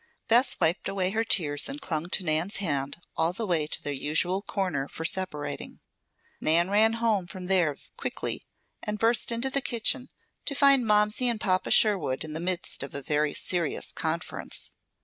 Bess wiped away her tears and clung to Nan's hand all the way to their usual corner for separating. Nan ran home from there quickly and burst into the kitchen to find Momsey and Papa Sherwood in the midst of a very serious conference.